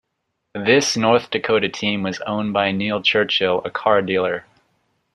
This North Dakota team was owned by Neil Churchill, a car dealer.